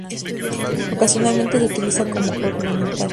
Ocasionalmente se utiliza como ornamental.